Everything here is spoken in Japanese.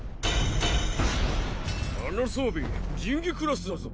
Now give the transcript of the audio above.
あの装備神器クラスだぞ。